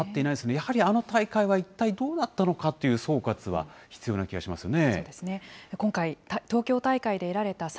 やはり、あの大会は一体どうだったのかっていう総括は必要な気がしますね。